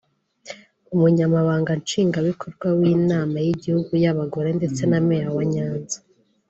Umunyamabanga Nshingwabikorwa w’Inama y’Igihugu y’Abagore ndetse na Meya wa Nyanza